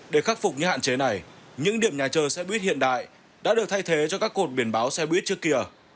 để khắc phục những hạn chế này những điểm nhà chờ xe buýt hiện đại đã được thay thế cho các cột biển báo xe buýt trước kia